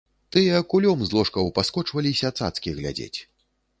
Тыя кулём з ложкаў паскочваліся цацкі глядзець.